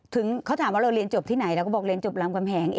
ถึงเขาถามว่าเราเรียนจบที่ไหนเราก็บอกเรียนจบรามกำแหง